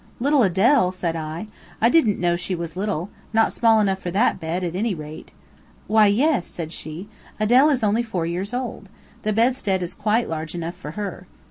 'Little Adele!' said I, 'I didn't know she was little not small enough for that bed, at any rate.' 'Why, yes,' said she, 'Adele is only four years old. The bedstead is quite large enough for her.'